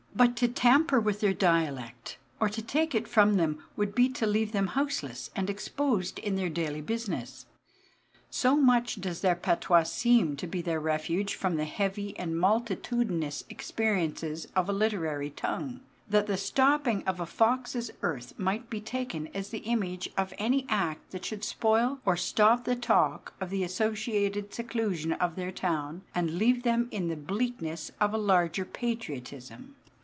But to tamper with their dialect, or to take it from them, would be to leave them houseless and exposed in their daily business. So much does their patois seem to be their refuge from the heavy and multitudinous experiences of a literary tongue, that the stopping of a fox's earth might be taken as the image of any act that should spoil or stop the talk of the associated seclusion of their town, and leave them in the bleakness of a larger patriotism.